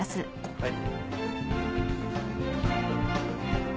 はい。